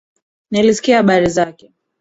Nilisikia habari zake.